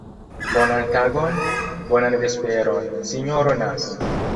Bonan tagon, bonan vesperon, Sinjoro Nans!